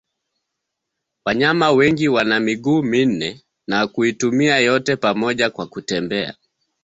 Wanyama wengi wana miguu minne na kuitumia yote pamoja kwa kutembea.